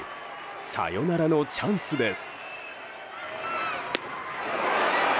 サヨナラのチャンスです。